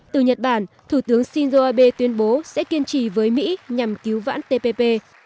từ nhật bản thủ tướng shinzo abe tuyên bố sẽ kiên trì với mỹ nhằm cứu vãn tpp